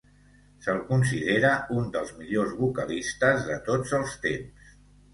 Se'l considera un dels millors vocalistes de tots els temps.